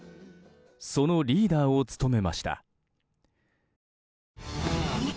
そのリーダーを務めました。